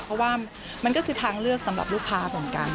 เพราะว่ามันก็คือทางเลือกสำหรับลูกค้าเหมือนกัน